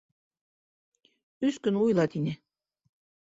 Өс көн уйла, тине.